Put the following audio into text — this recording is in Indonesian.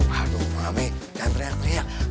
aduh mami jangan teriak teriak